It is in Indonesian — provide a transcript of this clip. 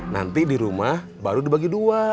nanti di rumah baru dibagi dua